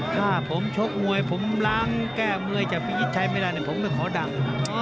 ถ้าผมชกมวยผมล้างแก้มวยจากพิชิตชัยไม่ได้ผมก็ขอดัง